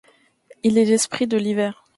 Il est l'esprit de l'hiver.